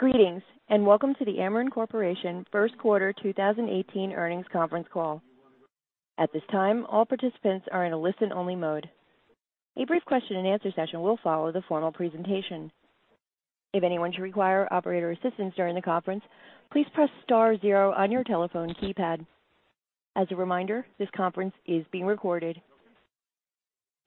Greetings, and welcome to the Ameren Corporation first quarter 2018 earnings conference call. At this time, all participants are in a listen-only mode. A brief question-and-answer session will follow the formal presentation. If anyone should require operator assistance during the conference, please press star zero on your telephone keypad. As a reminder, this conference is being recorded.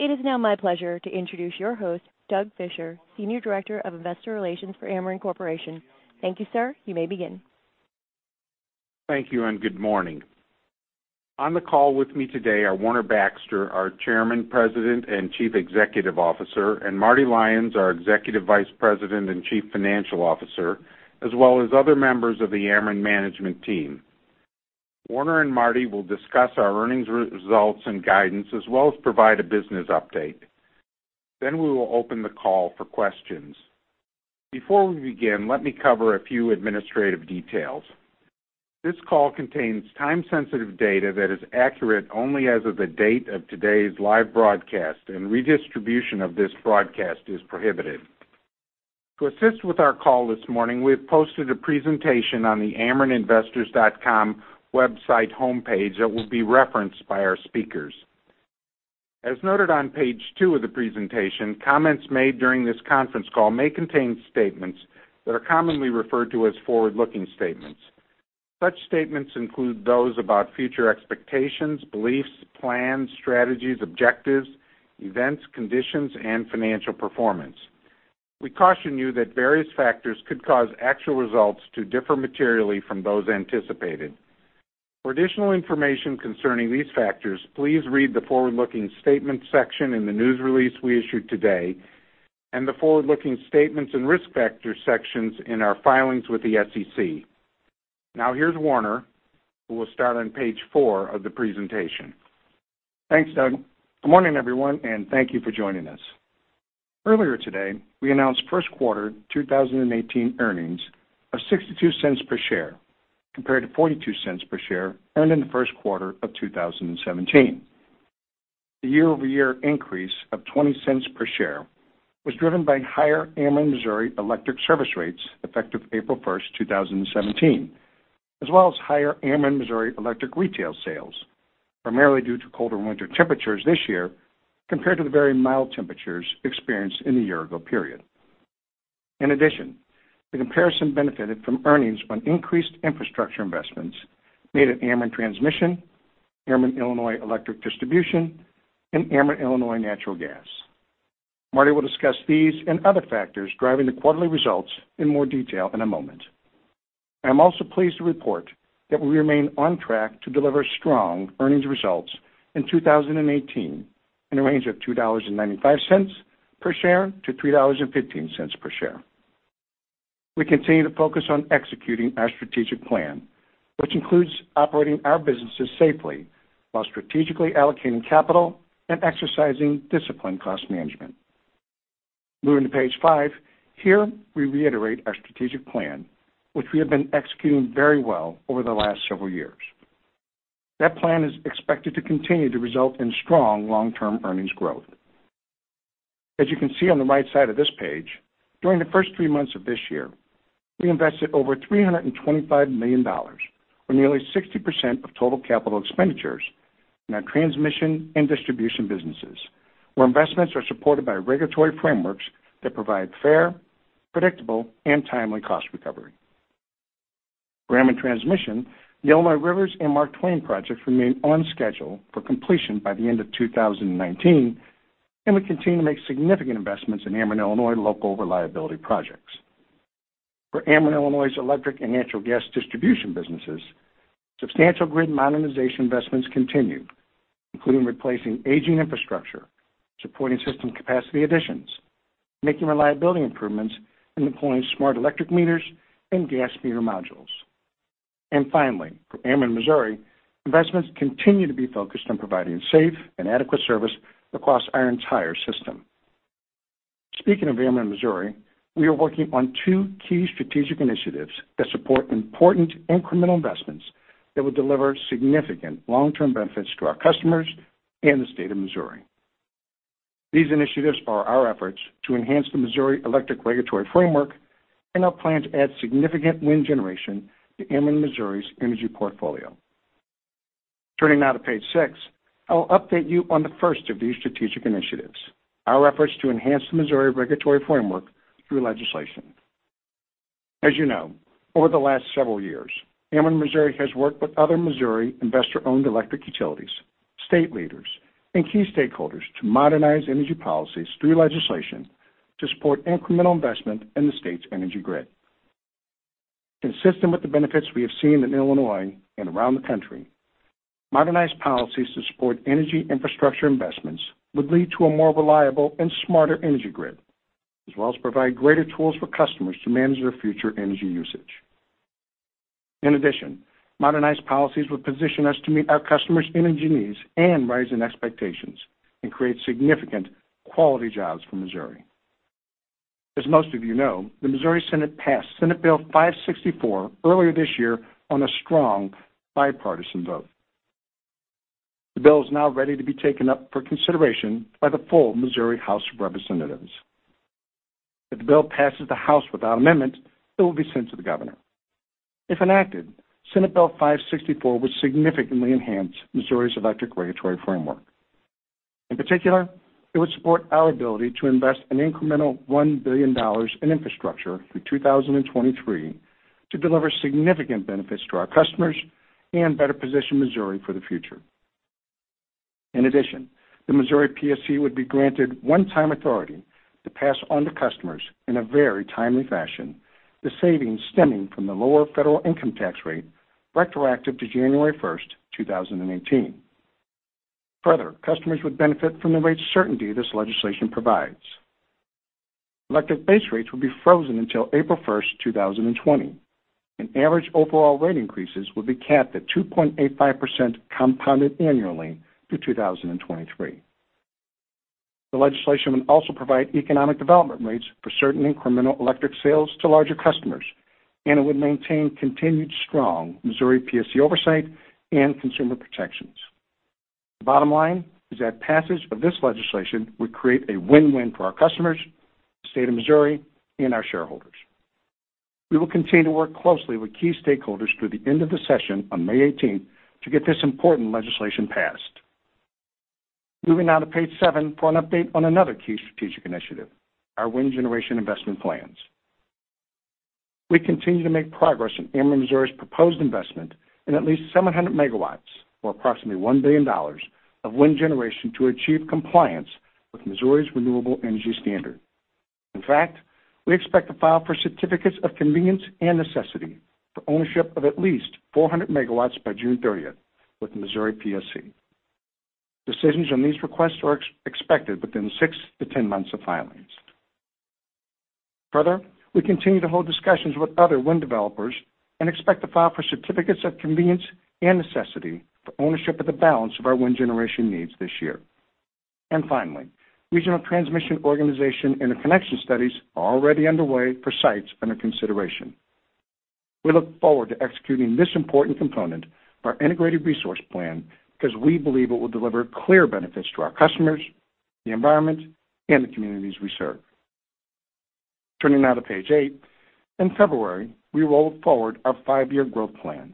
It is now my pleasure to introduce your host, Douglas Fischer, Senior Director of Investor Relations for Ameren Corporation. Thank you, sir. You may begin. Thank you. Good morning. On the call with me today are Warner Baxter, our Chairman, President, and Chief Executive Officer, and Marty Lyons, our Executive Vice President and Chief Financial Officer, as well as other members of the Ameren management team. Warner and Marty will discuss our earnings results and guidance, as well as provide a business update. We will open the call for questions. Before we begin, let me cover a few administrative details. This call contains time-sensitive data that is accurate only as of the date of today's live broadcast, and redistribution of this broadcast is prohibited. To assist with our call this morning, we have posted a presentation on the amereninvestors.com website homepage that will be referenced by our speakers. As noted on page two of the presentation, comments made during this conference call may contain statements that are commonly referred to as forward-looking statements. Such statements include those about future expectations, beliefs, plans, strategies, objectives, events, conditions, and financial performance. We caution you that various factors could cause actual results to differ materially from those anticipated. For additional information concerning these factors, please read the Forward-Looking Statements section in the news release we issued today and the Forward-Looking Statements and Risk Factors sections in our filings with the SEC. Here's Warner, who will start on page four of the presentation. Thanks, Doug. Good morning, everyone. Thank you for joining us. Earlier today, we announced first quarter 2018 earnings of $0.62 per share, compared to $0.42 per share earned in the first quarter of 2017. The year-over-year increase of $0.20 per share was driven by higher Ameren Missouri electric service rates effective April first, 2017, as well as higher Ameren Missouri Electric retail sales, primarily due to colder winter temperatures this year compared to the very mild temperatures experienced in the year-ago period. In addition, the comparison benefited from earnings on increased infrastructure investments made at Ameren Transmission, Ameren Illinois Electric Distribution, and Ameren Illinois Natural Gas. Marty will discuss these and other factors driving the quarterly results in more detail in a moment. I am also pleased to report that we remain on track to deliver strong earnings results in 2018 in a range of $2.95 per share to $3.15 per share. We continue to focus on executing our strategic plan, which includes operating our businesses safely while strategically allocating capital and exercising disciplined cost management. Moving to page five. Here, we reiterate our strategic plan, which we have been executing very well over the last several years. That plan is expected to continue to result in strong long-term earnings growth. As you can see on the right side of this page, during the first three months of this year, we invested over $325 million, or nearly 60% of total capital expenditures in our transmission and distribution businesses, where investments are supported by regulatory frameworks that provide fair, predictable, and timely cost recovery. For Ameren Transmission, the Illinois Rivers and Mark Twain projects remain on schedule for completion by the end of 2019, and we continue to make significant investments in Ameren Illinois local reliability projects. For Ameren Illinois's electric and natural gas distribution businesses, substantial grid modernization investments continue, including replacing aging infrastructure, supporting system capacity additions, making reliability improvements, and deploying smart electric meters and gas meter modules. Finally, for Ameren Missouri, investments continue to be focused on providing safe and adequate service across our entire system. Speaking of Ameren Missouri, we are working on two key strategic initiatives that support important incremental investments that will deliver significant long-term benefits to our customers and the state of Missouri. These initiatives power our efforts to enhance the Missouri electric regulatory framework and our plan to add significant wind generation to Ameren Missouri's energy portfolio. Turning now to page six, I will update you on the first of these strategic initiatives, our efforts to enhance the Missouri regulatory framework through legislation. As you know, over the last several years, Ameren Missouri has worked with other Missouri investor-owned electric utilities, state leaders, and key stakeholders to modernize energy policies through legislation to support incremental investment in the state's energy grid. Consistent with the benefits we have seen in Illinois and around the country, modernized policies to support energy infrastructure investments would lead to a more reliable and smarter energy grid, as well as provide greater tools for customers to manage their future energy usage. In addition, modernized policies would position us to meet our customers' energy needs and rising expectations and create significant quality jobs for Missouri. As most of you know, the Missouri Senate passed Senate Bill 564 earlier this year on a strong bipartisan vote. The bill is now ready to be taken up for consideration by the full Missouri House of Representatives. If the bill passes the House without amendment, it will be sent to the governor. If enacted, Senate Bill 564 would significantly enhance Missouri's electric regulatory framework. In particular, it would support our ability to invest an incremental $1 billion in infrastructure through 2023 to deliver significant benefits to our customers and better position Missouri for the future. In addition, the Missouri PSC would be granted one-time authority to pass on to customers, in a very timely fashion, the savings stemming from the lower federal income tax rate retroactive to January 1st, 2018. Further, customers would benefit from the rate certainty this legislation provides. Electric base rates would be frozen until April 1st, 2020, and average overall rate increases would be capped at 2.85% compounded annually through 2023. The legislation would also provide economic development rates for certain incremental electric sales to larger customers, and it would maintain continued strong Missouri PSC oversight and consumer protections. The bottom line is that passage of this legislation would create a win-win for our customers, the state of Missouri, and our shareholders. We will continue to work closely with key stakeholders through the end of the session on May 18th to get this important legislation passed. Moving now to page seven for an update on another key strategic initiative, our wind generation investment plans. We continue to make progress in Ameren Missouri's proposed investment in at least 700 megawatts, or approximately $1 billion, of wind generation to achieve compliance with Missouri's Renewable Energy Standard. In fact, we expect to file for Certificates of Convenience and Necessity for ownership of at least 400 megawatts by June 30th with the Missouri PSC. Decisions on these requests are expected within six to ten months of filings. Further, we continue to hold discussions with other wind developers and expect to file for Certificates of Convenience and Necessity for ownership of the balance of our wind generation needs this year. Finally, regional transmission organization interconnection studies are already underway for sites under consideration. We look forward to executing this important component of our integrated resource plan because we believe it will deliver clear benefits to our customers, the environment, and the communities we serve. Turning now to page eight. In February, we rolled forward our five-year growth plan,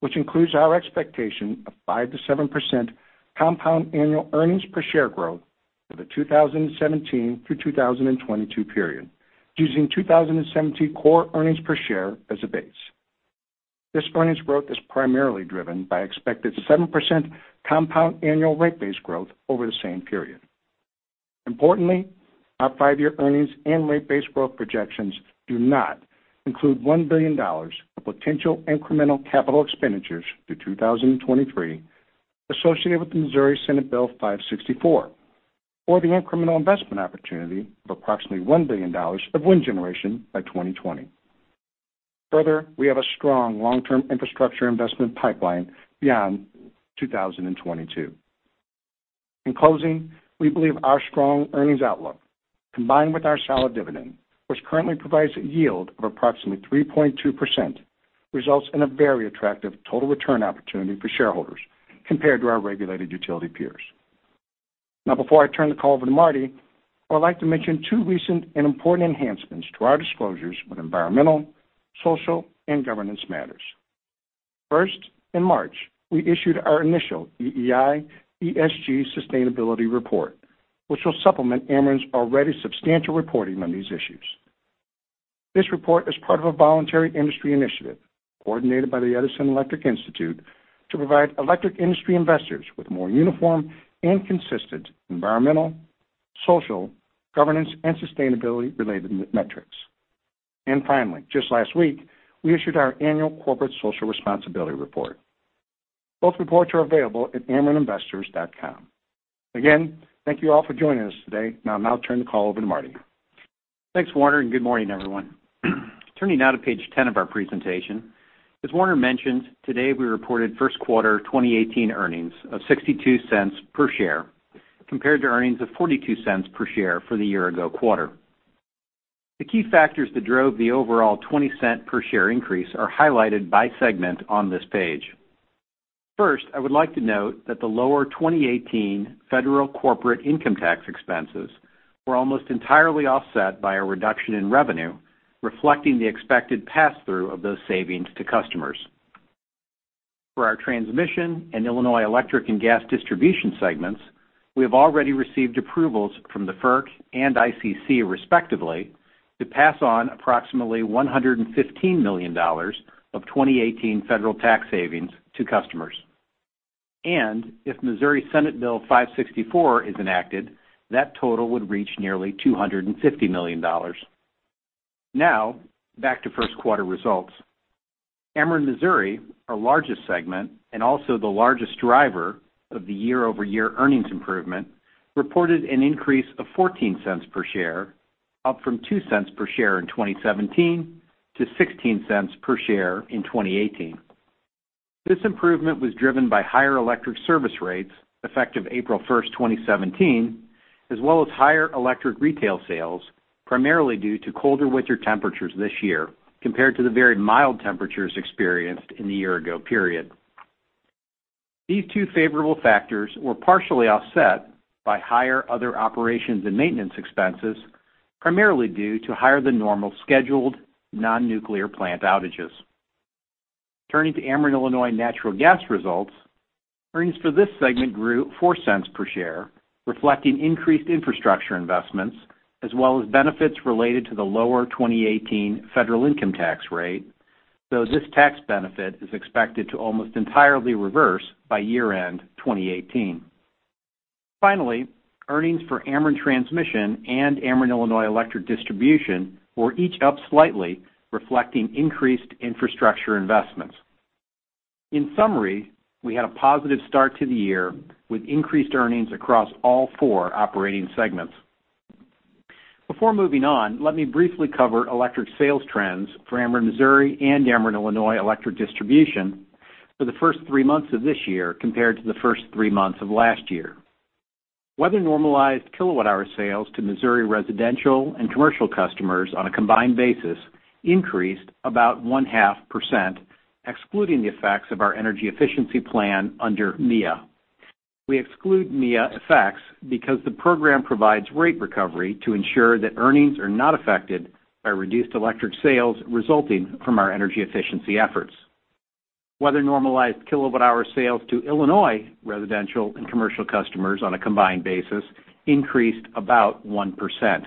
which includes our expectation of 5%-7% compound annual earnings per share growth for the 2017 through 2022 period, using 2017 core earnings per share as a base. This earnings growth is primarily driven by expected 7% compound annual rate base growth over the same period. Importantly, our five-year earnings and rate base growth projections do not include $1 billion of potential incremental capital expenditures through 2023 associated with the Missouri Senate Bill 564 or the incremental investment opportunity of approximately $1 billion of wind generation by 2020. Further, we have a strong long-term infrastructure investment pipeline beyond 2022. In closing, we believe our strong earnings outlook, combined with our solid dividend, which currently provides a yield of approximately 3.2%, results in a very attractive total return opportunity for shareholders compared to our regulated utility peers. Now, before I turn the call over to Marty, I would like to mention two recent and important enhancements to our disclosures on environmental, social, and governance matters. First, in March, we issued our initial EEI ESG Sustainability Report, which will supplement Ameren's already substantial reporting on these issues. This report is part of a voluntary industry initiative coordinated by the Edison Electric Institute to provide electric industry investors with more uniform and consistent environmental, social, governance, and sustainability-related metrics. Finally, just last week, we issued our annual Corporate Social Responsibility Report. Both reports are available at amereninvestors.com. Again, thank you all for joining us today. I'll now turn the call over to Marty. Thanks, Warner, and good morning, everyone. Turning now to page 10 of our presentation. As Warner mentioned, today, we reported first quarter 2018 earnings of $0.62 per share compared to earnings of $0.42 per share for the year-ago quarter. The key factors that drove the overall $0.20-per-share increase are highlighted by segment on this page. First, I would like to note that the lower 2018 federal corporate income tax expenses were almost entirely offset by a reduction in revenue, reflecting the expected pass-through of those savings to customers. For our transmission and Illinois electric and gas distribution segments, we have already received approvals from the FERC and ICC respectively to pass on approximately $115 million of 2018 federal tax savings to customers. If Missouri Senate Bill 564 is enacted, that total would reach nearly $250 million. Back to first quarter results. Ameren Missouri, our largest segment and also the largest driver of the year-over-year earnings improvement, reported an increase of $0.14 per share, up from $0.02 per share in 2017 to $0.16 per share in 2018. This improvement was driven by higher electric service rates effective April 1st, 2017, as well as higher electric retail sales, primarily due to colder winter temperatures this year compared to the very mild temperatures experienced in the year-ago period. These two favorable factors were partially offset by higher other operations and maintenance expenses, primarily due to higher than normal scheduled non-nuclear plant outages. Turning to Ameren Illinois Natural Gas results, earnings for this segment grew $0.04 per share, reflecting increased infrastructure investments as well as benefits related to the lower 2018 federal income tax rate, though this tax benefit is expected to almost entirely reverse by year-end 2018. Finally, earnings for Ameren Transmission and Ameren Illinois Electric Distribution were each up slightly, reflecting increased infrastructure investments. In summary, we had a positive start to the year with increased earnings across all four operating segments. Before moving on, let me briefly cover electric sales trends for Ameren Missouri and Ameren Illinois Electric Distribution for the first three months of this year compared to the first three months of last year. Weather-normalized kilowatt-hour sales to Missouri residential and commercial customers on a combined basis increased about one-half %, excluding the effects of our energy efficiency plan under MEEIA. We exclude MEEIA effects because the program provides rate recovery to ensure that earnings are not affected by reduced electric sales resulting from our energy efficiency efforts. Weather-normalized kilowatt-hour sales to Illinois residential and commercial customers on a combined basis increased about 1%.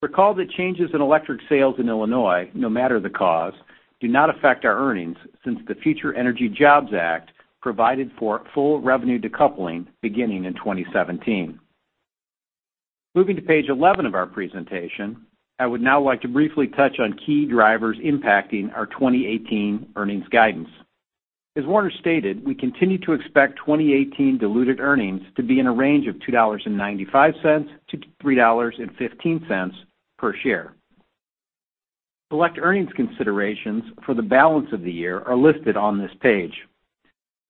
Recall that changes in electric sales in Illinois, no matter the cause, do not affect our earnings since the Future Energy Jobs Act provided for full revenue decoupling beginning in 2017. Moving to page 11 of our presentation, I would now like to briefly touch on key drivers impacting our 2018 earnings guidance. As Warner stated, we continue to expect 2018 diluted earnings to be in a range of $2.95 to $3.15 per share. Select earnings considerations for the balance of the year are listed on this page.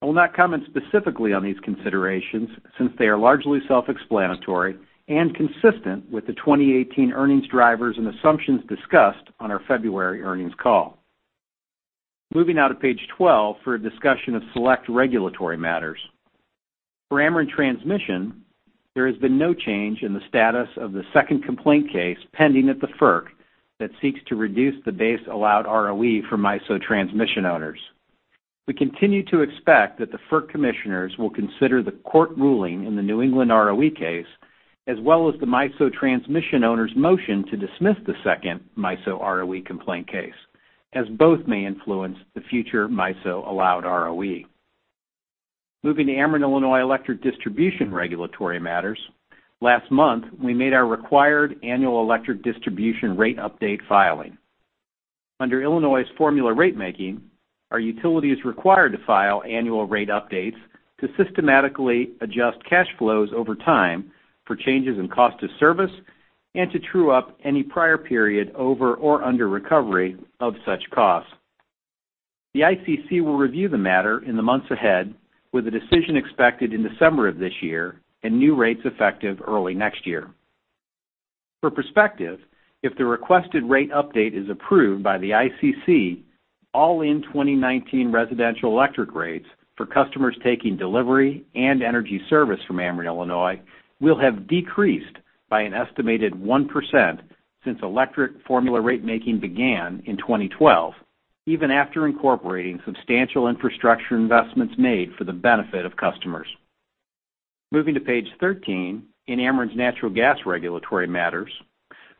I will not comment specifically on these considerations since they are largely self-explanatory and consistent with the 2018 earnings drivers and assumptions discussed on our February earnings call. Moving now to page 12 for a discussion of select regulatory matters. For Ameren Transmission, there has been no change in the status of the second complaint case pending at the FERC that seeks to reduce the base allowed ROE for MISO transmission owners. We continue to expect that the FERC commissioners will consider the court ruling in the New England ROE case, as well as the MISO transmission owners' motion to dismiss the second MISO ROE complaint case, as both may influence the future MISO allowed ROE. Moving to Ameren Illinois Electric Distribution regulatory matters, last month, we made our required annual electric distribution rate update filing. Under Illinois' formula ratemaking, our utility is required to file annual rate updates to systematically adjust cash flows over time for changes in cost of service and to true-up any prior period over or under-recovery of such costs. The ICC will review the matter in the months ahead, with a decision expected in December of this year and new rates effective early next year. For perspective, if the requested rate update is approved by the ICC, all-in 2019 residential electric rates for customers taking delivery and energy service from Ameren Illinois will have decreased by an estimated 1% since electric formula ratemaking began in 2012, even after incorporating substantial infrastructure investments made for the benefit of customers. Moving to page 13 in Ameren's natural gas regulatory matters.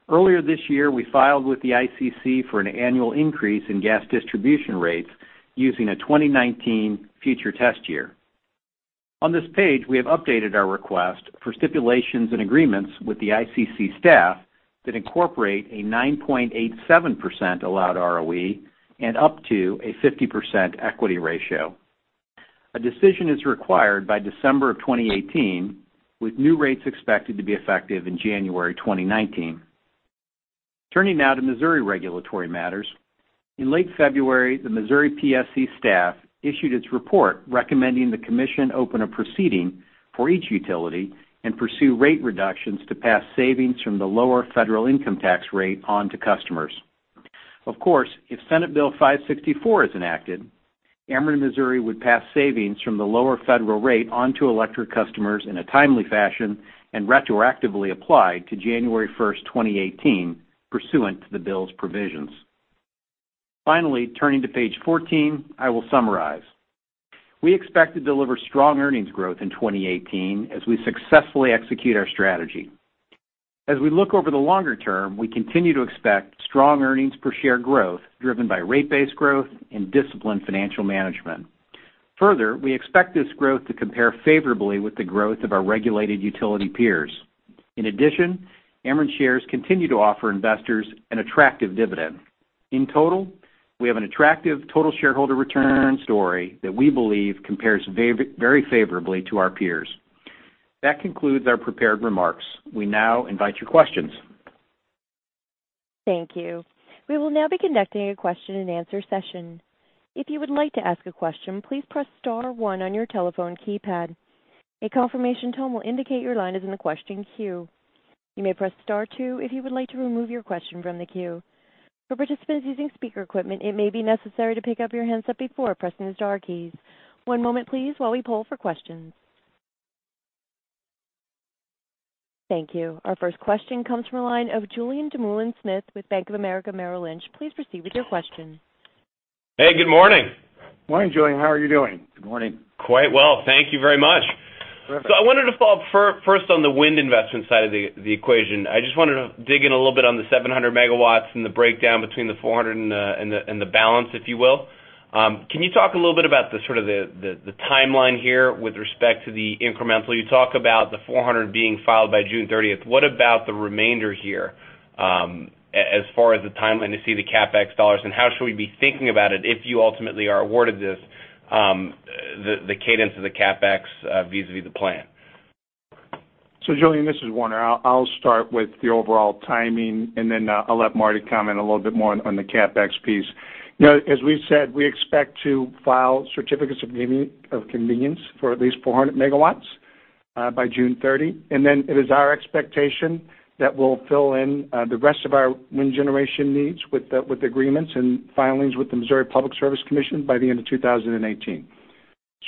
Earlier this year, we filed with the ICC for an annual increase in gas distribution rates using a 2019 future test year. On this page, we have updated our request for stipulations and agreements with the ICC staff that incorporate a 9.87% allowed ROE and up to a 50% equity ratio. A decision is required by December of 2018, with new rates expected to be effective in January 2019. Turning now to Missouri regulatory matters. In late February, the Missouri PSC staff issued its report recommending the commission open a proceeding for each utility and pursue rate reductions to pass savings from the lower federal income tax rate on to customers. Of course, if Senate Bill 564 is enacted, Ameren Missouri would pass savings from the lower federal rate on to electric customers in a timely fashion and retroactively apply to January 1st, 2018, pursuant to the bill's provisions. Finally, turning to page 14, I will summarize. We expect to deliver strong earnings growth in 2018 as we successfully execute our strategy. As we look over the longer term, we continue to expect strong earnings per share growth driven by rate base growth and disciplined financial management. Further, we expect this growth to compare favorably with the growth of our regulated utility peers. In addition, Ameren shares continue to offer investors an attractive dividend. In total, we have an attractive total shareholder return story that we believe compares very favorably to our peers. That concludes our prepared remarks. We now invite your questions. Thank you. We will now be conducting a question and answer session. If you would like to ask a question, please press star one on your telephone keypad. A confirmation tone will indicate your line is in the question queue. You may press star two if you would like to remove your question from the queue. For participants using speaker equipment, it may be necessary to pick up your handset before pressing the star keys. One moment please while we poll for questions. Thank you. Our first question comes from the line of Julien Dumoulin-Smith with Bank of America Merrill Lynch. Please proceed with your question. Hey, good morning. Morning, Julien. How are you doing? Good morning. Quite well. Thank you very much. Perfect. I wanted to follow up first on the wind investment side of the equation. I just wanted to dig in a little bit on the 700 megawatts and the breakdown between the 400 and the balance, if you will. Can you talk a little bit about the timeline here with respect to the incremental? You talk about the 400 being filed by June 30th. What about the remainder here, as far as the timeline to see the CapEx dollars? How should we be thinking about it if you ultimately are awarded this, the cadence of the CapEx vis-a-vis the plan? Julien, this is Warner. I'll start with the overall timing, then I'll let Marty comment a little bit more on the CapEx piece. As we've said, we expect to file Certificates of Convenience for at least 400 megawatts by June 30. It is our expectation that we'll fill in the rest of our wind generation needs with agreements and filings with the Missouri Public Service Commission by the end of 2018.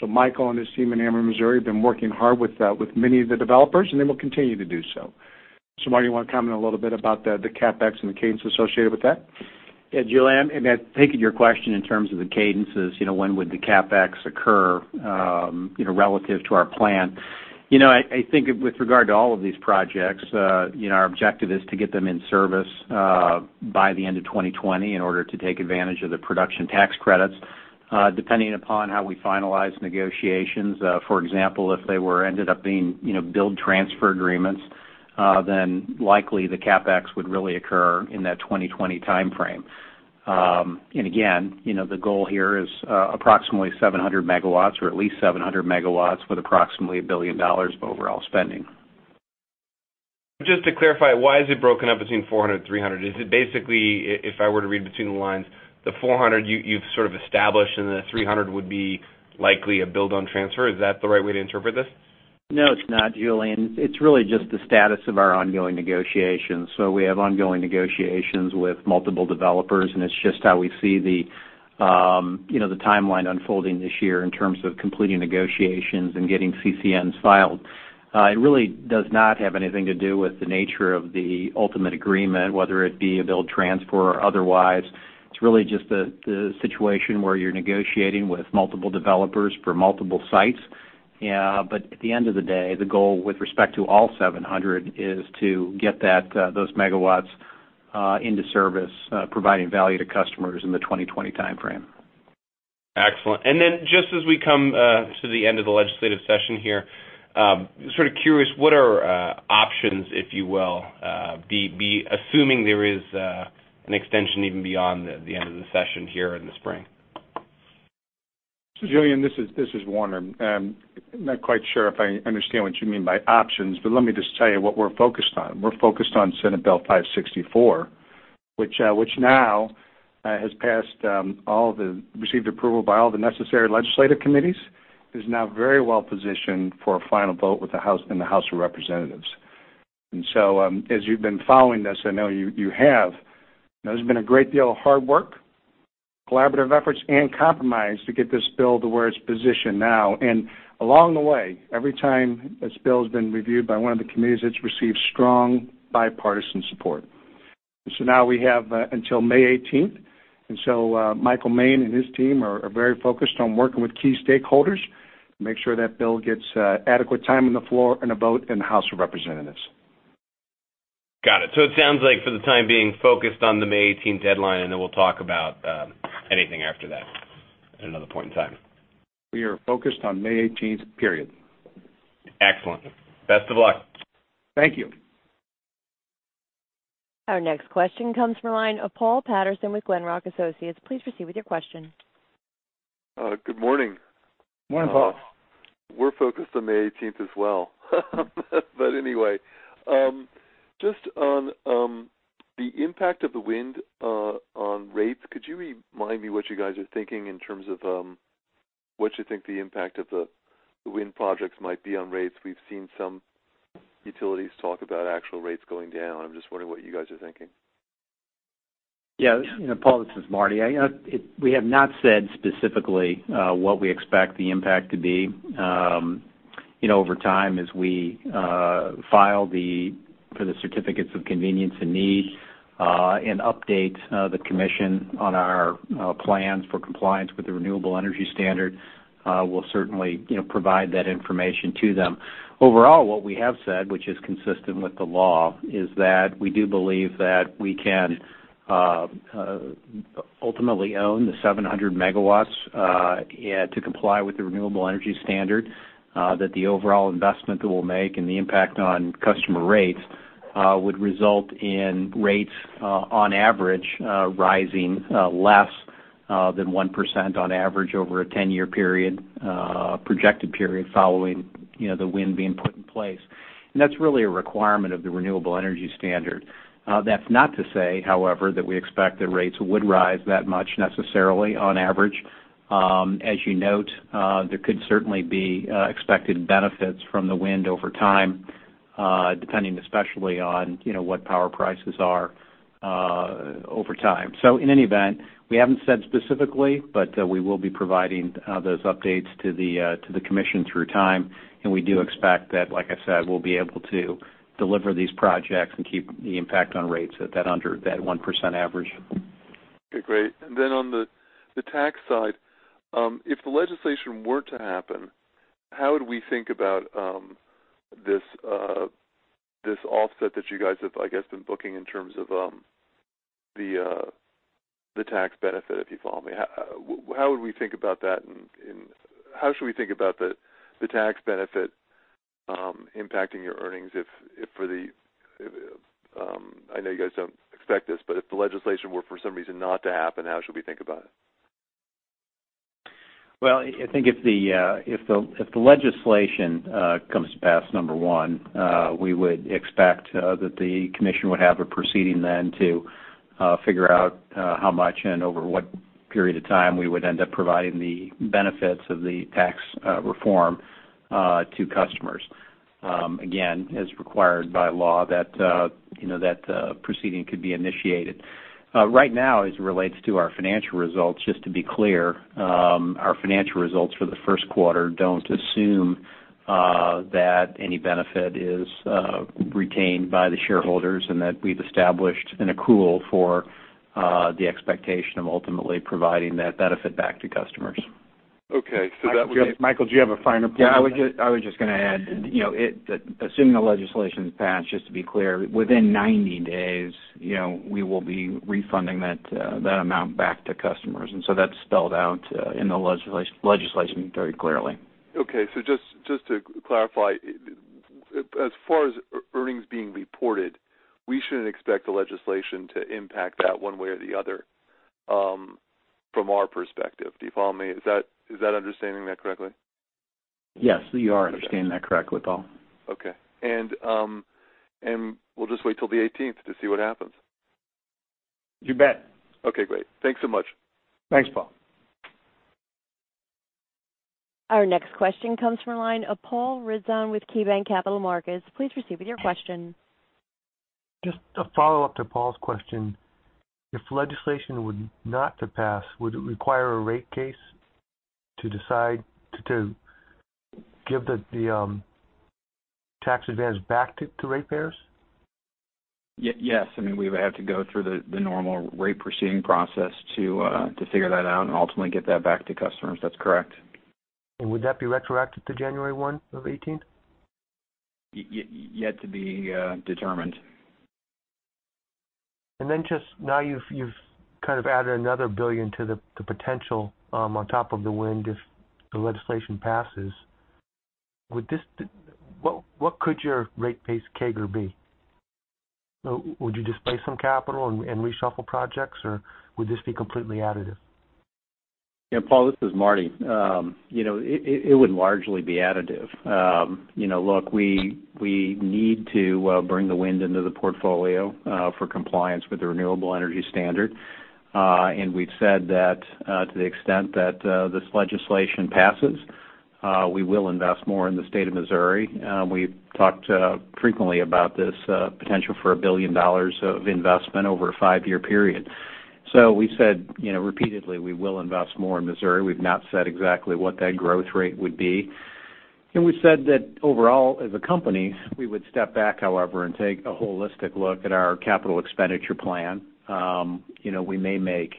Michael and his team in Ameren Missouri have been working hard with many of the developers, they will continue to do so. Marty, you want to comment a little bit about the CapEx and the cadence associated with that? Julien, taking your question in terms of the cadences, when would the CapEx occur relative to our plan. I think with regard to all of these projects, our objective is to get them in service by the end of 2020 in order to take advantage of the Production Tax Credits, depending upon how we finalize negotiations. For example, if they ended up being Build Transfer agreements, then likely the CapEx would really occur in that 2020 timeframe. The goal here is approximately 700 megawatts or at least 700 megawatts with approximately $1 billion of overall spending. Just to clarify, why is it broken up between 400 and 300? Is it basically, if I were to read between the lines, the 400 you've sort of established and the 300 would be likely a build transfer? Is that the right way to interpret this? No, it's not Julien. It's really just the status of our ongoing negotiations. We have ongoing negotiations with multiple developers, and it's just how we see the timeline unfolding this year in terms of completing negotiations and getting CCNs filed. It really does not have anything to do with the nature of the ultimate agreement, whether it be a build transfer or otherwise. It's really just the situation where you're negotiating with multiple developers for multiple sites. At the end of the day, the goal with respect to all 700 is to get those megawatts into service, providing value to customers in the 2020 timeframe. Excellent. Just as we come to the end of the legislative session here, sort of curious, what are options, if you will, assuming there is an extension even beyond the end of the session here in the spring? Julien, this is Warner. I'm not quite sure if I understand what you mean by options, but let me just tell you what we're focused on. We're focused on Senate Bill 564, which now has received approval by all the necessary legislative committees, is now very well positioned for a final vote in the House of Representatives. As you've been following this, I know you have, there's been a great deal of hard work, collaborative efforts, and compromise to get this bill to where it's positioned now. Along the way, every time this bill has been reviewed by one of the committees, it's received strong bipartisan support. Now we have until May 18th. Michael Moehn and his team are very focused on working with key stakeholders to make sure that bill gets adequate time on the floor and a vote in the House of Representatives. Got it. It sounds like for the time being focused on the May 18th deadline, and then we'll talk about anything after that at another point in time. We are focused on May 18th. Excellent. Best of luck. Thank you. Our next question comes from the line of Paul Patterson with Glenrock Associates. Please proceed with your question. Good morning. Morning, Paul. We're focused on May 18th as well. Anyway, just on the impact of the wind on rates, could you remind me what you guys are thinking in terms of what you think the impact of the wind projects might be on rates? We've seen some utilities talk about actual rates going down. I'm just wondering what you guys are thinking. Yeah. Paul, this is Marty. We have not said specifically what we expect the impact to be. Over time as we file for the Certificates of Convenience and Necessity, and update the commission on our plans for compliance with the Renewable Energy Standard, we'll certainly provide that information to them. Overall, what we have said, which is consistent with the law, is that we do believe that we can ultimately own the 700 megawatts to comply with the Renewable Energy Standard, that the overall investment that we'll make and the impact on customer rates would result in rates on average rising less than 1% on average over a 10-year projected period following the wind being put in place. That's really a requirement of the Renewable Energy Standard. That's not to say, however, that we expect that rates would rise that much necessarily on average. As you note, there could certainly be expected benefits from the wind over time, depending especially on what power prices are over time. In any event, we haven't said specifically, but we will be providing those updates to the commission through time, and we do expect that, like I said, we'll be able to deliver these projects and keep the impact on rates at that under that 1% average. Okay, great. Then on the tax side, if the legislation were to happen, how would we think about this offset that you guys have, I guess, been booking in terms of the tax benefit, if you follow me? How should we think about the tax benefit impacting your earnings if I know you guys don't expect this, but if the legislation were for some reason not to happen, how should we think about it? Well, I think if the legislation comes to pass, number one, we would expect that the commission would have a proceeding then to figure out how much and over what period of time we would end up providing the benefits of the tax reform to customers. Again, as required by law, that proceeding could be initiated. Right now, as it relates to our financial results, just to be clear, our financial results for the first quarter don't assume that any benefit is retained by the shareholders and that we've established an accrual for the expectation of ultimately providing that benefit back to customers. Okay. that would be. Michael, do you have a finer point? Yeah, I was just going to add, assuming the legislation is passed, just to be clear, within 90 days, we will be refunding that amount back to customers, that's spelled out in the legislation very clearly. Just to clarify, as far as earnings being reported, we shouldn't expect the legislation to impact that one way or the other from our perspective. Do you follow me? Is that understanding that correctly? Yes, you are understanding that correctly, Paul. Okay. We'll just wait till the 18th to see what happens. You bet. Okay, great. Thanks so much. Thanks, Paul. Our next question comes from the line of Paul Ridzon with KeyBanc Capital Markets. Please proceed with your question. Just a follow-up to Paul's question. If legislation were not to pass, would it require a rate case to decide to give the tax advantage back to ratepayers? Yes. We would have to go through the normal rate proceeding process to figure that out and ultimately get that back to customers. That's correct. Would that be retroactive to January 1, 2018? Yet to be determined. Just now you've kind of added another $1 billion to the potential on top of the wind if the legislation passes. What could your rate base CAGR be? Would you displace some capital and reshuffle projects, or would this be completely additive? Paul, this is Marty. It would largely be additive. Look, we need to bring the wind into the portfolio for compliance with the Renewable Energy Standard. We've said that to the extent that this legislation passes, we will invest more in the state of Missouri. We've talked frequently about this potential for a $1 billion of investment over a five-year period. We said repeatedly, we will invest more in Missouri. We've not said exactly what that growth rate would be. We've said that overall as a company, we would step back, however, and take a holistic look at our capital expenditure plan. We may make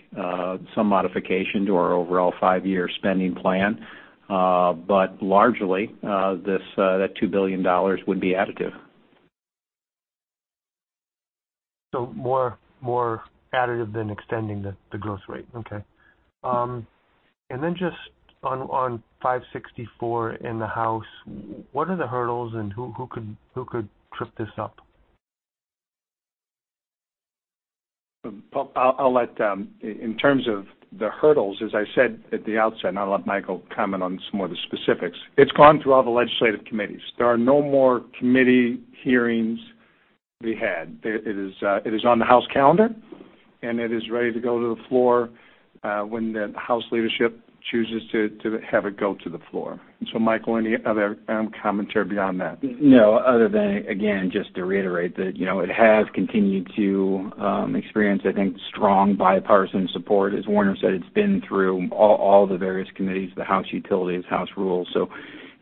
some modification to our overall five-year spending plan. Largely, that $2 billion would be additive. More additive than extending the growth rate. Okay. Just on 564 in the House, what are the hurdles, and who could trip this up? Paul, in terms of the hurdles, as I said at the outset, I'll let Michael comment on some more of the specifics, it's gone through all the legislative committees. There are no more committee hearings to be had. It is on the House calendar, it is ready to go to the floor when the House leadership chooses to have it go to the floor. Michael, any other commentary beyond that? No, other than, again, just to reiterate that it has continued to experience, I think, strong bipartisan support. As Warner said, it's been through all the various committees, the House Utilities, House Rules.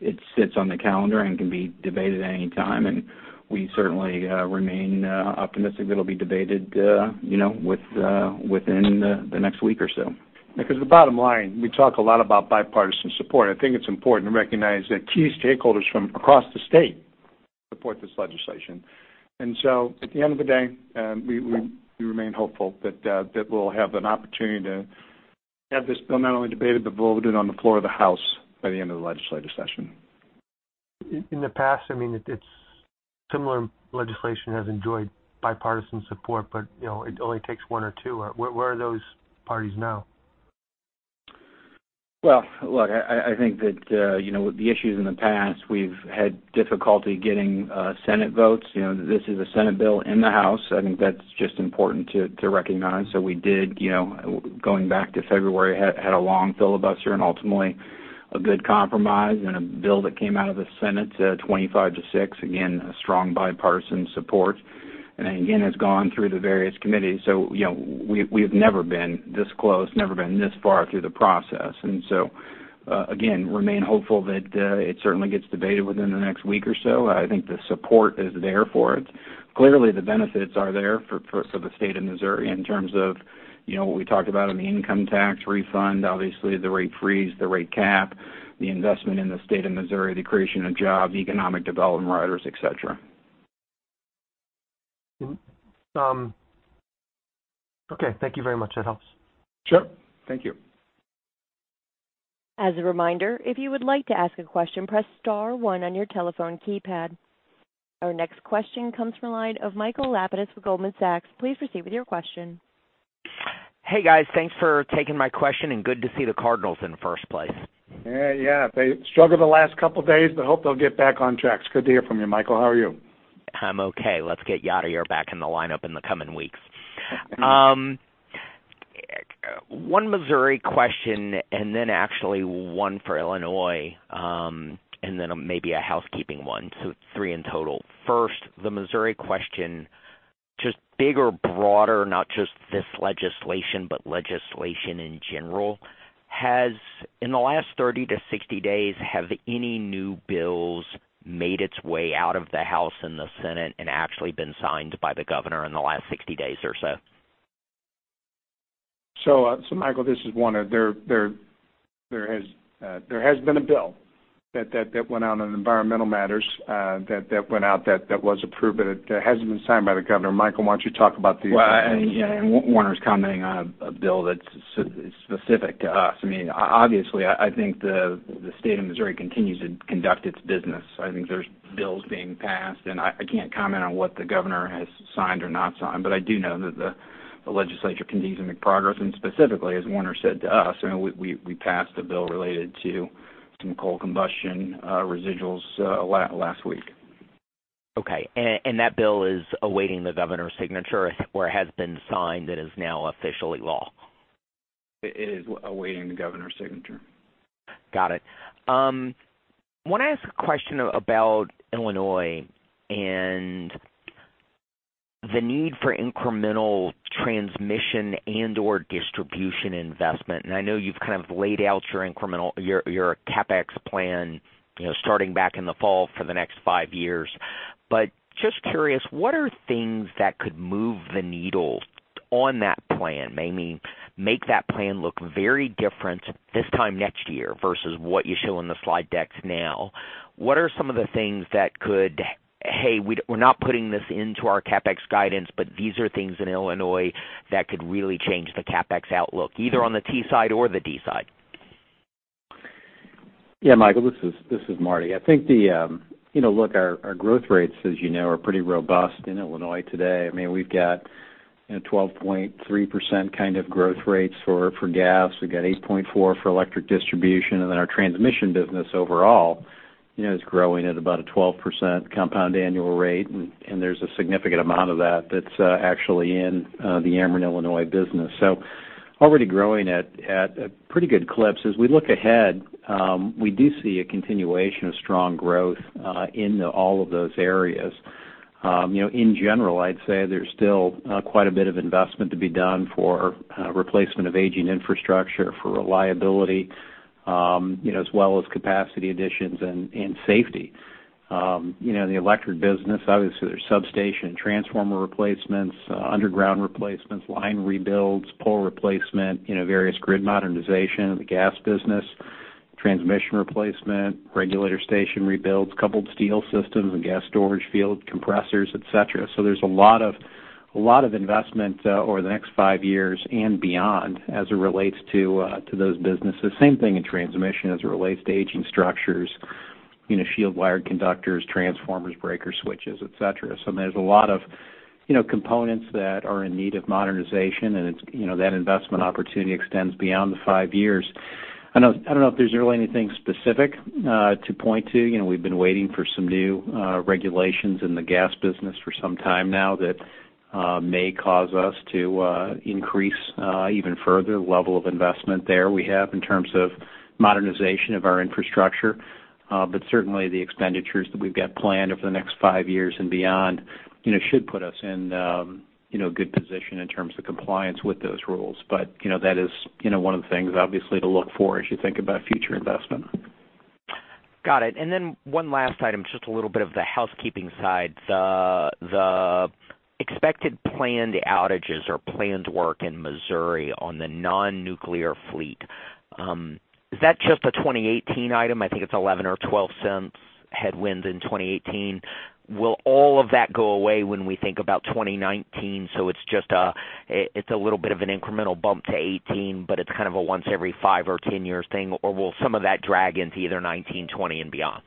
It sits on the calendar and can be debated at any time, we certainly remain optimistic that it'll be debated within the next week or so. The bottom line, we talk a lot about bipartisan support. I think it's important to recognize that key stakeholders from across the state support this legislation. At the end of the day, we remain hopeful that we'll have an opportunity to have this bill not only debated, but voted on the floor of the House by the end of the legislative session. In the past, similar legislation has enjoyed bipartisan support, but it only takes one or two. Where are those parties now? Well, look, I think that with the issues in the past, we've had difficulty getting Senate votes. This is a Senate bill in the House. I think that's just important to recognize. We did, going back to February, had a long filibuster and ultimately a good compromise and a bill that came out of the Senate, 25 to 6, again, a strong bipartisan support. Again, it's gone through the various committees. We've never been this close, never been this far through the process. Again, remain hopeful that it certainly gets debated within the next week or so. I think the support is there for it. Clearly, the benefits are there for the state of Missouri in terms of what we talked about on the income tax refund, obviously the rate freeze, the rate cap, the investment in the state of Missouri, the creation of jobs, economic development riders, et cetera. Okay. Thank you very much. That helps. Sure. Thank you. As a reminder, if you would like to ask a question, press star one on your telephone keypad. Our next question comes from the line of Michael Lapidus with Goldman Sachs. Please proceed with your question. Hey, guys. Thanks for taking my question and good to see the Cardinals in first place. Yeah. They struggled the last couple of days, but hope they'll get back on track. It's good to hear from you, Michael. How are you? I'm okay. Let's get Yadier back in the lineup in the coming weeks. One Missouri question, then actually one for Illinois, then maybe a housekeeping one. Three in total. First, the Missouri question, just bigger, broader, not just this legislation, but legislation in general. In the last 30-60 days, have any new bills made its way out of the House and the Senate and actually been signed by the governor in the last 60 days or so? Michael, this is Warner. There has been a bill that went out on environmental matters, that went out, that was approved, but it hasn't been signed by the governor. Michael, why don't you talk about the- Warner's commenting on a bill that's specific to us. Obviously, I think the state of Missouri continues to conduct its business. I think there's bills being passed, and I can't comment on what the governor has signed or not signed. I do know that the legislature continues to make progress, and specifically, as Warner said to us, we passed a bill related to some coal combustion residuals last week. Okay. That bill is awaiting the governor's signature or has been signed and is now officially law? It is awaiting the governor's signature. Got it. Want to ask a question about Illinois and the need for incremental transmission and/or distribution investment. I know you've kind of laid out your CapEx plan starting back in the fall for the next five years. Just curious, what are things that could move the needle on that plan, maybe make that plan look very different this time next year versus what you show in the slide decks now? What are some of the things that could, hey, we're not putting this into our CapEx guidance, but these are things in Illinois that could really change the CapEx outlook, either on the T side or the D side? Yeah, Michael, this is Marty. I think, look, our growth rates, as you know, are pretty robust in Illinois today. We've got 12.3% kind of growth rates for gas. We've got 8.4% for electric distribution. Then our transmission business overall is growing at about a 12% compound annual rate, and there's a significant amount of that that's actually in the Ameren Illinois business. Already growing at a pretty good clip. As we look ahead, we do see a continuation of strong growth in all of those areas. In general, I'd say there's still quite a bit of investment to be done for replacement of aging infrastructure, for reliability, as well as capacity additions and safety. The electric business, obviously, there's substation transformer replacements, underground replacements, line rebuilds, pole replacement, various grid modernization. In the gas business, transmission replacement, regulator station rebuilds, coupled steel systems and gas storage field compressors, et cetera. There's a lot of investment over the next five years and beyond as it relates to those businesses. Same thing in transmission as it relates to aging structures, shield wire conductors, transformers, breaker switches, et cetera. There's a lot of components that are in need of modernization, and that investment opportunity extends beyond the five years. I don't know if there's really anything specific to point to. We've been waiting for some new regulations in the gas business for some time now that may cause us to increase even further the level of investment there we have in terms of modernization of our infrastructure. Certainly, the expenditures that we've got planned over the next five years and beyond should put us in a good position in terms of compliance with those rules. That is one of the things, obviously, to look for as you think about future investment. Got it. Then one last item, just a little bit of the housekeeping side. The expected planned outages or planned work in Missouri on the non-nuclear fleet. Is that just a 2018 item? I think it's $0.11 or $0.12 headwinds in 2018. Will all of that go away when we think about 2019? It's a little bit of an incremental bump to 2018, but it's a once every five or 10 years thing, or will some of that drag into either 2019, 2020, and beyond?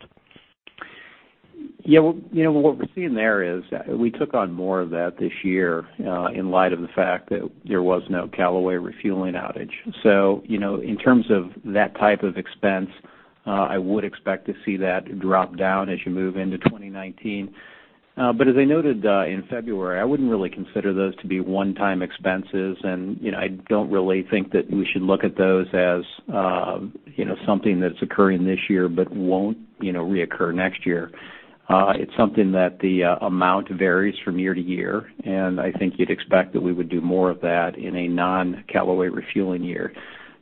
Yeah. What we're seeing there is we took on more of that this year, in light of the fact that there was no Callaway refueling outage. In terms of that type of expense, I would expect to see that drop down as you move into 2019. As I noted in February, I wouldn't really consider those to be one-time expenses. I don't really think that we should look at those as something that's occurring this year, but won't reoccur next year. It's something that the amount varies from year to year, and I think you'd expect that we would do more of that in a non-Callaway refueling year.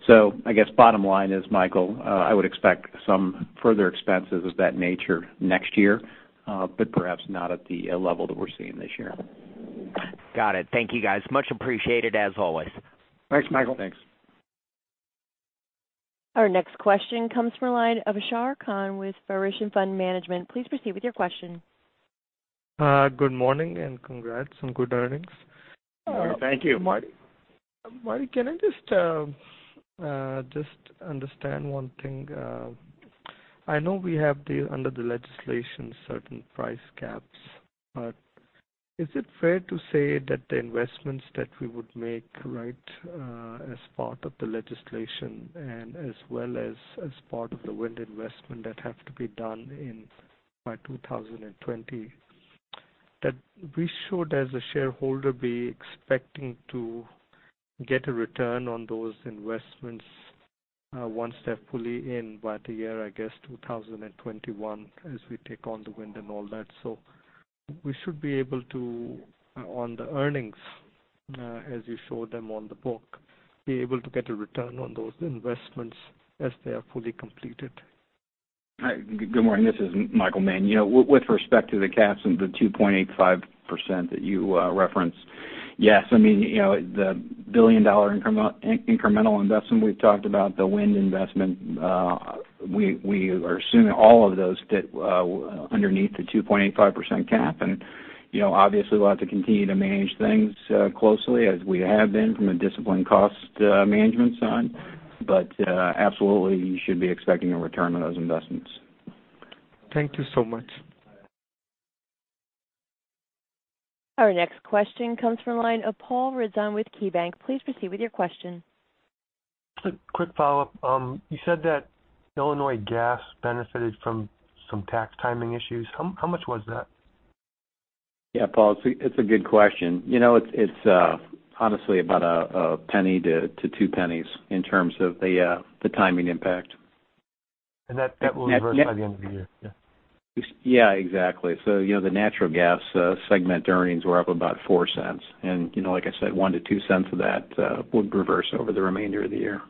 I guess bottom line is, Michael, I would expect some further expenses of that nature next year, but perhaps not at the level that we're seeing this year. Got it. Thank you, guys. Much appreciated as always. Thanks, Michael. Thanks. Our next question comes from the line of Ashar Khan with Verition Fund Management. Please proceed with your question. Good morning, congrats on good earnings. Thank you. Marty, can I just understand one thing? I know we have, under the legislation, certain price caps. Is it fair to say that the investments that we would make, as part of the legislation, and as well as part of the wind investment that have to be done by 2020, that we should, as a shareholder, be expecting to get a return on those investments once they're fully in by the year, I guess, 2021, as we take on the wind and all that? We should be able to, on the earnings, as you show them on the book, be able to get a return on those investments as they are fully completed? Hi. Good morning. This is Michael Moehn. With respect to the caps and the 2.85% that you referenced, yes. The billion-dollar incremental investment we've talked about, the wind investment, we are assuming all of those fit underneath the 2.85% cap. Obviously, we'll have to continue to manage things closely as we have been from a disciplined cost management side. Absolutely, you should be expecting a return on those investments. Thank you so much. Our next question comes from the line of Paul Ridzon with KeyBank. Please proceed with your question. A quick follow-up. You said that Illinois gas benefited from some tax timing issues. How much was that? Yeah, Paul, it's a good question. It's honestly about $0.01-$0.02 in terms of the timing impact. That will reverse by the end of the year? Yeah. Exactly. The natural gas segment earnings were up about $0.04. Like I said, $0.01-$0.02 of that would reverse over the remainder of the year.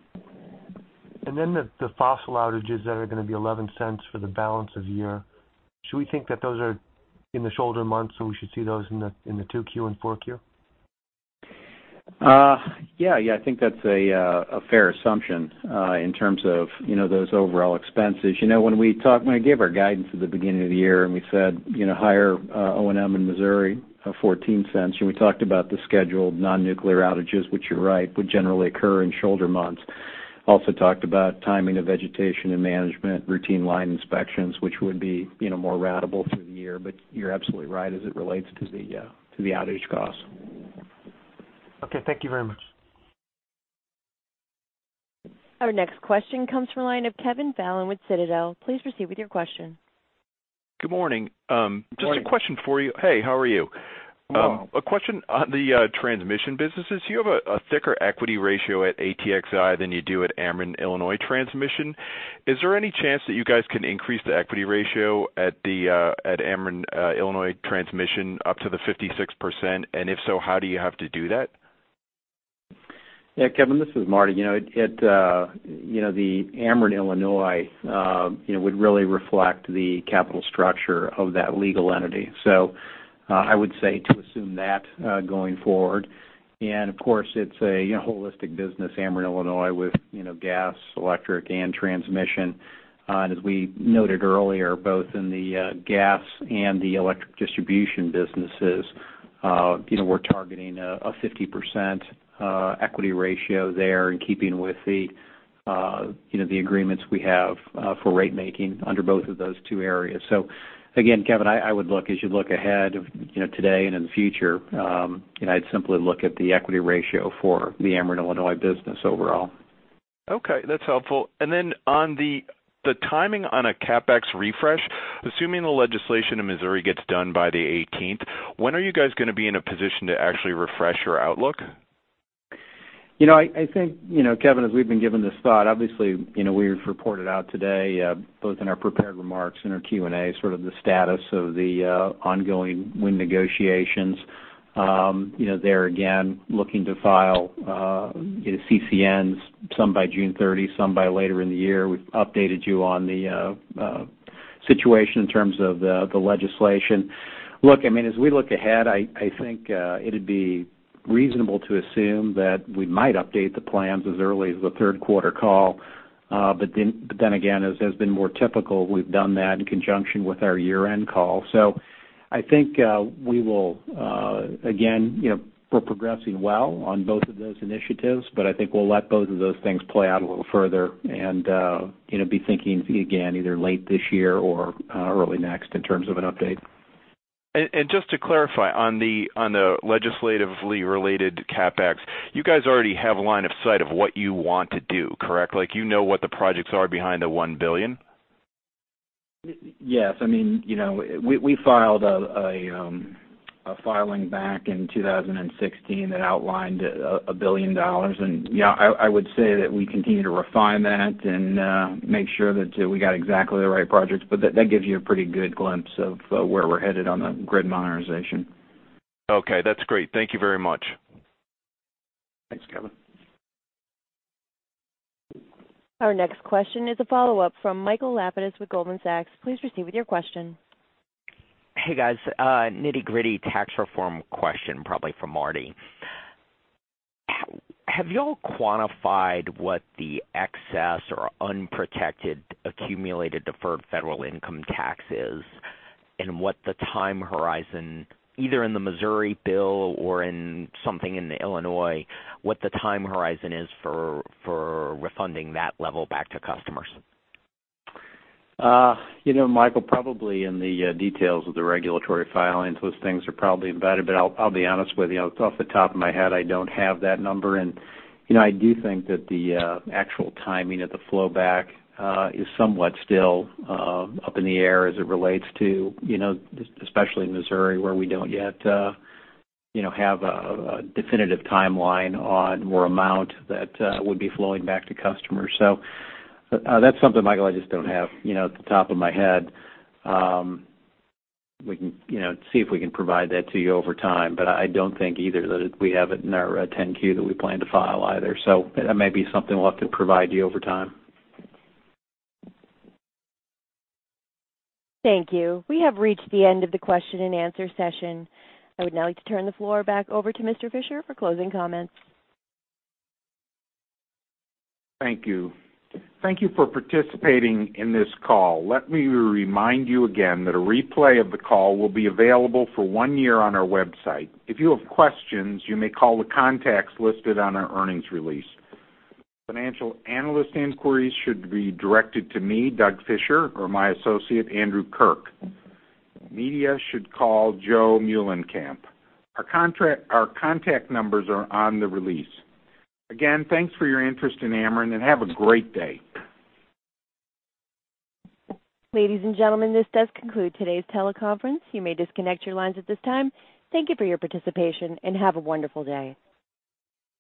The fossil outages that are going to be $0.11 for the balance of the year, should we think that those are in the shoulder months, so we should see those in the 2Q and 4Q? I think that's a fair assumption in terms of those overall expenses. When I gave our guidance at the beginning of the year, we said higher O&M in Missouri of $0.14, and we talked about the scheduled non-nuclear outages, which you're right, would generally occur in shoulder months. Also talked about timing of vegetation and management routine line inspections, which would be more ratable through the year. You're absolutely right as it relates to the outage cost. Thank you very much. Our next question comes from the line of Kevin Fallon with Citadel. Please proceed with your question. Good morning. Good morning. Just a question for you. Hey, how are you? I'm well. A question on the transmission businesses. You have a thicker equity ratio at ATXI than you do at Ameren Illinois Transmission. Is there any chance that you guys can increase the equity ratio at Ameren Illinois Transmission up to the 56%? If so, how do you have to do that? Yeah, Kevin, this is Marty. The Ameren Illinois would really reflect the capital structure of that legal entity. I would say to assume that going forward. Of course, it's a holistic business, Ameren Illinois, with gas, electric, and transmission. As we noted earlier, both in the gas and the electric distribution businesses, we're targeting a 50% equity ratio there in keeping with the agreements we have for ratemaking under both of those two areas. Again, Kevin, as you look ahead today and in the future, I'd simply look at the equity ratio for the Ameren Illinois business overall. Okay, that's helpful. Then on the timing on a CapEx refresh, assuming the legislation in Missouri gets done by the 18th, when are you guys going to be in a position to actually refresh your outlook? Kevin, as we've been given this thought, obviously, we've reported out today, both in our prepared remarks and our Q&A, the status of the ongoing wind negotiations. There again, looking to file CCNs, some by June 30, some by later in the year. We've updated you on the situation in terms of the legislation. Look, as we look ahead, I think it'd be reasonable to assume that we might update the plans as early as the third quarter call. Then again, as has been more typical, we've done that in conjunction with our year-end call. I think we will again, we're progressing well on both of those initiatives, but I think we'll let both of those things play out a little further and be thinking again, either late this year or early next in terms of an update. Just to clarify, on the legislatively related CapEx, you guys already have a line of sight of what you want to do, correct? Like you know what the projects are behind the $1 billion? Yes. We filed a filing back in 2016 that outlined $1 billion, I would say that we continue to refine that and make sure that we got exactly the right projects, that gives you a pretty good glimpse of where we're headed on the grid modernization. Okay, that's great. Thank you very much. Thanks, Kevin. Our next question is a follow-up from Michael Lapidus with Goldman Sachs. Please proceed with your question. Hey, guys. Nitty-gritty tax reform question, probably for Marty. Have you all quantified what the excess or unprotected accumulated deferred federal income tax is, and what the time horizon, either in the Missouri bill or in something in Illinois, what the time horizon is for refunding that level back to customers? Michael, probably in the details of the regulatory filings, those things are probably embedded, but I'll be honest with you, off the top of my head, I don't have that number. I do think that the actual timing of the flow back is somewhat still up in the air as it relates to, especially in Missouri, where we don't yet have a definitive timeline on or amount that would be flowing back to customers. That's something, Michael, I just don't have at the top of my head. We can see if we can provide that to you over time, but I don't think either that we have it in our 10-Q that we plan to file either. That may be something we'll have to provide you over time. Thank you. We have reached the end of the question-and-answer session. I would now like to turn the floor back over to Mr. Fischer for closing comments. Thank you. Thank you for participating in this call. Let me remind you again that a replay of the call will be available for one year on our website. If you have questions, you may call the contacts listed on our earnings release. Financial analyst inquiries should be directed to me, Douglas Fischer, or my associate, Andrew Kirk. Media should call Joe Muehlenkamp. Our contact numbers are on the release. Again, thanks for your interest in Ameren. Have a great day. Ladies and gentlemen, this does conclude today's teleconference. You may disconnect your lines at this time. Thank you for your participation. Have a wonderful day.